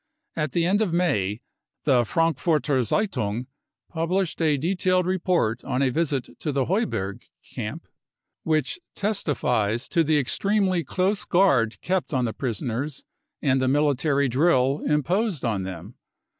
At the end of May the Frankfurter fitting published a detailed report on a visit to the Heuberg camp, which testifies to the extremely close guard kept on the prisoners and the military drill imposed on them.